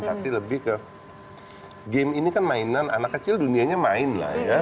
tapi lebih ke game ini kan mainan anak kecil dunianya main lah ya